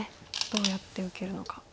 どうやって受けるのか。